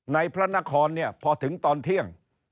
ในพระนครพอถึงตอนเที่ยง